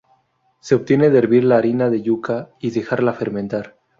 Se obtiene de hervir la harina de yuca y dejarla fermentar.